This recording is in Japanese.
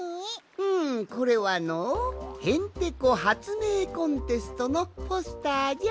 うんこれはの「へんてこはつめいコンテスト」のポスターじゃ。